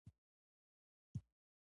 د ژوندلیکونو یوه بله مهمه مساله هم شته.